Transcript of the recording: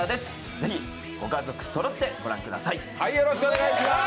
ぜひご家族そろってご覧ください。